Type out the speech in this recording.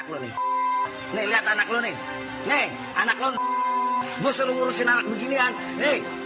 lihat mukanya nih anak lo nih nih lihat anak lo nih nih anak lo nih gue selalu urusin anak beginian nih